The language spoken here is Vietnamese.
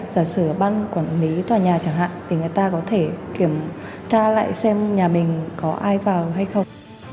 giả sửa ban quản lý tòa nhà chẳng hạn thì người ta có thể kiểm tra lại xem nhà mình có ai vào hay không